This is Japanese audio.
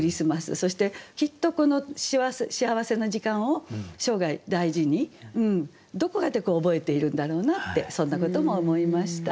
そしてきっとこの幸せな時間を生涯大事にどこかで覚えているんだろうなってそんなことも思いました。